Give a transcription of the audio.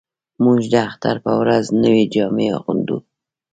موږ د اختر په ورځ نوې جامې اغوندو